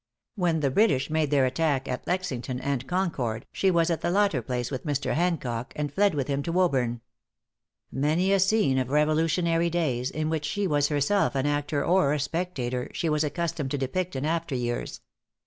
When the British made their attack at Lexington and Concord, she was at the latter place with Mr. Hancock, and fled with him to Woburn. Many a scene of Revolutionary days, in which she was herself an actor or a spectator, she was accustomed to depict in after years.